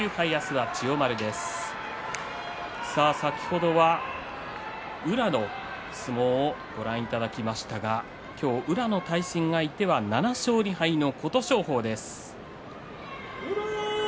先ほどは宇良の相撲をご覧いただきましたが今日、宇良の対戦相手は７勝２敗の琴勝峰です。